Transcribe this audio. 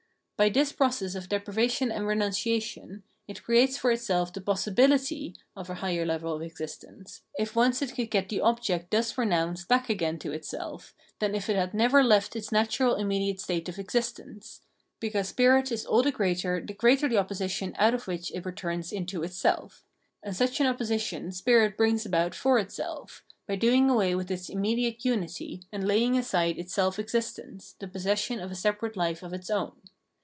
By this process of deprivation and renunciation it creates for itself the possibility of a higher level of existence, if once it could get the object thus renounced back again to itself, than if it had never left its natiiral immediate state of existence, — because spirit is all the greater the greater the opposition out of which it returns into itself ; and such an opposition spirit brings about for itself, by doing away with its immediate unity, and laying aside its self existence, the possession of a separ ate hfe of its own.